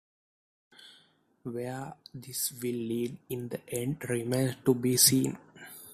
Where this will lead in the end remains to be seen.